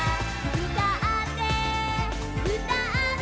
「うたってうたって」